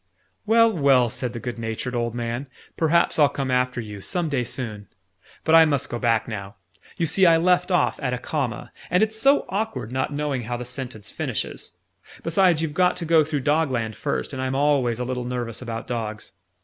"Well, well!" said the good natured old man. "Perhaps I'll come after you, some day soon. But I must go back now. You see I left off at a comma, and it's so awkward not knowing how the sentence finishes! Besides, you've got to go through Dogland first, and I'm always a little nervous about dogs.